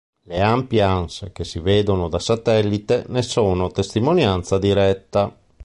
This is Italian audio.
Le ampie anse che si vedono da satellite ne sono testimonianza diretta.